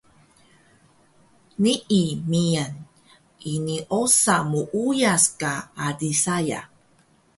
Nii miyan ini osa muuyas ka ali saya